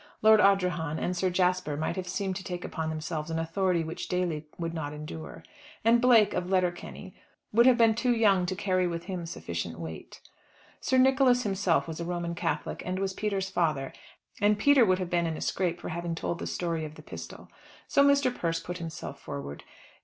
Lord Ardrahan and Sir Jasper might have seemed to take upon themselves an authority which Daly would not endure. And Blake, of Letterkenny, would have been too young to carry with him sufficient weight. Sir Nicholas himself was a Roman Catholic, and was Peter's father, and Peter would have been in a scrape for having told the story of the pistol. So Mr. Persse put himself forward.